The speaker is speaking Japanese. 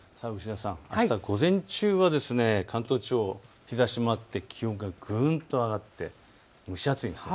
あした午前中は関東地方、日ざしもあって気温がぐっと上がって蒸し暑いんですよ。